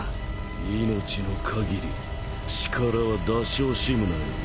命の限り力は出し惜しむなよ。